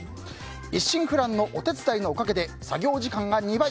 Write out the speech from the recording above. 一心不乱のお手伝いのおかげで作業時間が２倍！